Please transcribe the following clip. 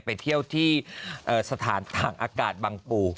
ไปเที่ยวที่สถานต่างอากาศบังปู